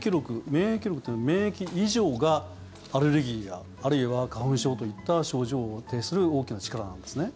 免疫力というのは免疫異常がアレルギーや、あるいは花粉症といった症状を呈する大きな力なんですね。